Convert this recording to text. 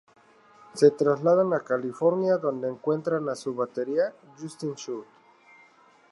Se trasladan a California, donde encuentran a su batería, Justin South.